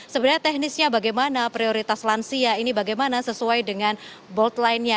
sebenarnya teknisnya bagaimana prioritas lansia ini bagaimana sesuai dengan boldline nya